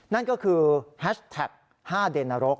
นั่นก็คือแฮชแท็ก๕เดนรก